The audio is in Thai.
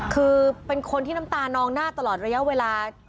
คือเป็นคนที่น้ำตานองหน้าตลอดระยะเวลา